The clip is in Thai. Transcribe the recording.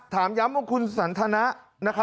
ถามย้ำว่าคุณสันทนะ